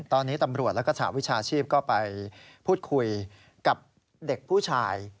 ตอนนี้ตำรวจแล้วก็สหวิชาชีพก็ไปพูดคุยกับเด็กผู้ชาย